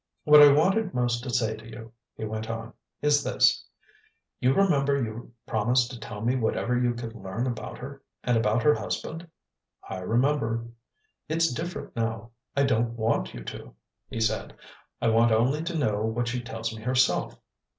"What I wanted most to say to you," he went on, "is this: you remember you promised to tell me whatever you could learn about her and about her husband?" "I remember." "It's different now. I don't want you to," he said. "I want only to know what she tells me herself.